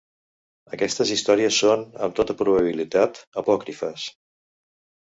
Aquestes històries són, amb tota probabilitat, apòcrifes.